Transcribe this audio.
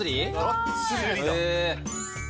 がっつり。